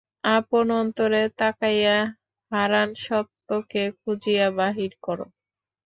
আপন অন্তরে তাকাইয়া হারান সত্যকে খুঁজিয়া বাহির কর।